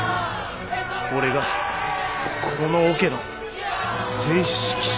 俺がこのオケの正指揮者！？